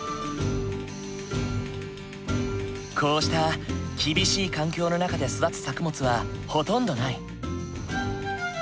こうした厳しい環境の中で育つ作物はほとんどない。